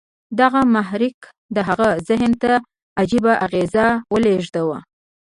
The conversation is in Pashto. دغه محرک د هغه ذهن ته عجيبه اغېز ولېږداوه.